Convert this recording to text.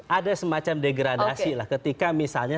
ada semacam degradasi lah ketika misalnya